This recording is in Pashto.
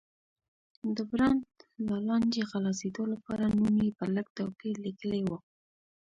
د برانډ له لانجې خلاصېدو لپاره نوم یې په لږ توپیر لیکلی و.